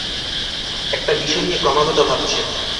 একটা বিষয় নিয়ে ক্রমাগত ভাবছেন।